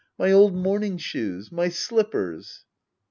My old morning shoes ! My slippers.